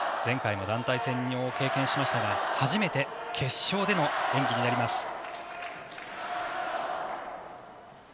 前回の団体戦を経験しましたが初めて決勝での演技になります。